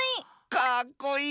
かっこいい！